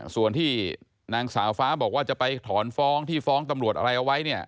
ส่วนที่นางสาวฟ้าบอกว่าจะไปถอนฟ้องที่ฟ้องตำรวจอะไรเอาไว้เนี่ย